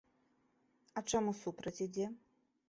А чаму супраць ідзе?